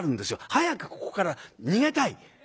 早くここから逃げたい。